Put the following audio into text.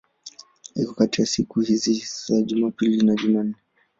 Iko kati ya siku za Jumapili na Jumanne.